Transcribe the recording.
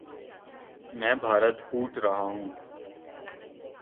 میں بھارت ہوٹ رہا ہوں